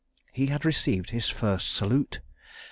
He had received his first salute!